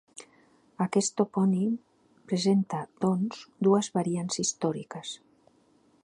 Aquest topònim presenta, doncs, dues variants històriques.